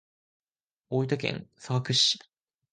大分県佐伯市